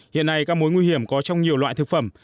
hiện nay các mối nguy hiểm có trong nhiều loại thực phẩm